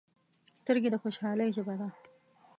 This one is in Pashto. سترګې د خوشحالۍ ژبه ده